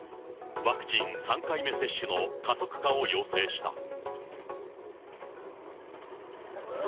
ワクチン３回目接種の加速化を要請した。